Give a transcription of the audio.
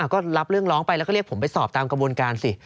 ก็รับเรื่องร้องไปแล้วก็เรียกผมไปสอบตามกระบวนการสิ